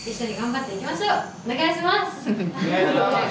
お願いします！